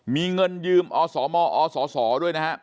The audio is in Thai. มีเงินยืมอสมอสด้วยนะครับ